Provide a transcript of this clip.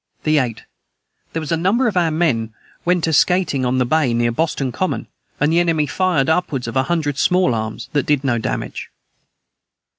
the 8. Their was a number of our men went a Scating on the Bay near Bosston common and the Enemy fired upwards of a hundred small arms that did no damage.